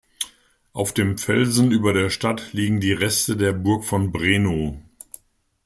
Auf dem Felsen über der Stadt liegen die Reste der Burg von Breno.